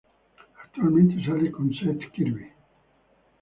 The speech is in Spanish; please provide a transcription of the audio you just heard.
Actualmente sale con Seth Kirby.